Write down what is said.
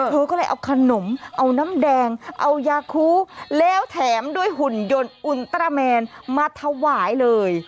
เธอก็เลยเอาขนมเอาน้ำแดงเอายาคูแล้วแถมด้วยหุ่นยนต์อุลตราแมนมาถวายเลย